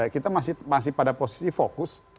kita masih pada posisi fokus